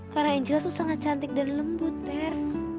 karena angel tuh sangat cantik dan lembut ter